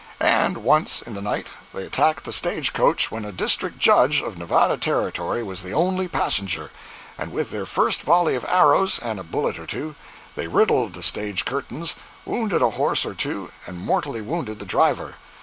And once, in the night, they attacked the stage coach when a District Judge, of Nevada Territory, was the only passenger, and with their first volley of arrows (and a bullet or two) they riddled the stage curtains, wounded a horse or two and mortally wounded the driver.